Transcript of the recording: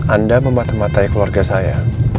anda memata matai keluarga saya